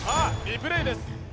リプレイです